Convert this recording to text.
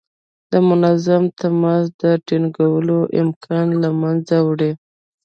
د منظم تماس د ټینګولو امکان له منځه وړي.